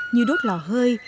như đốt lò hơi